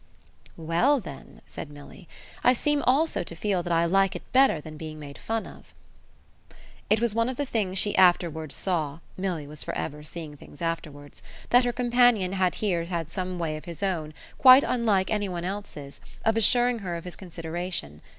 "Well then," said Milly, "I seem also to feel that I like it better than being made fun of." It was one of the things she afterwards saw Milly was for ever seeing things afterwards that her companion had here had some way of his own, quite unlike any one's else, of assuring her of his consideration.